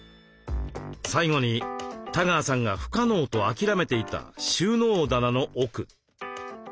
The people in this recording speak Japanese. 最後に多川さんが「不可能」と諦めていた収納棚の奥。